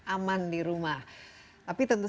aman di rumah tapi tentu